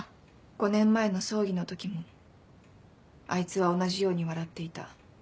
「５年前の葬儀の時もあいつは同じように笑っていた」。